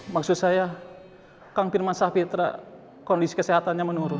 maksud saya kang pirman safitra kondisi kesehatannya menurun